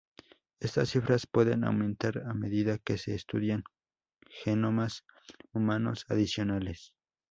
Estas cifras pueden aumentar a medida que se estudian genomas humanos adicionales.